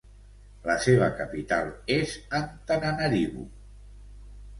La seva capital és Antananarivo.